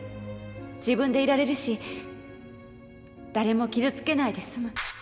自分でいられるし誰も傷つけないで済む。